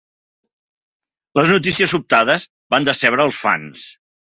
Les notícies sobtades van decebre els fans.